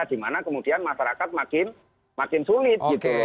dimana kemudian masyarakat makin sulit gitu